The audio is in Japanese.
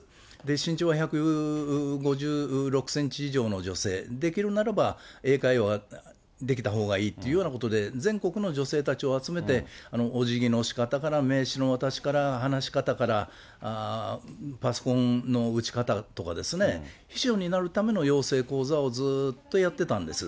身長は１５６センチ以上の女性、できるならば英会話ができたほうがいいっていうようなことで、全国の女性たちを集めて、おじぎのしかたから名刺の渡し方から、話し方から、パソコンの打ち方とかですね、秘書になるための養成講座をずっとやってたんです。